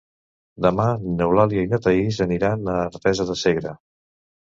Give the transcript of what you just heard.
Demà n'Eulàlia i na Thaís aniran a Artesa de Segre.